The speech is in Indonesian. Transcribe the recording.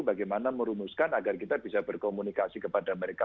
bagaimana merumuskan agar kita bisa berkomunikasi kepada mereka